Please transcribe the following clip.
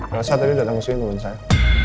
elsa tadi dateng kesini temen saya